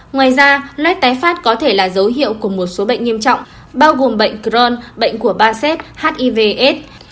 ngoài ra lết tái phát có thể là dấu hiệu của một số bệnh nghiêm trọng bao gồm bệnh crohn bệnh của barset hiv aids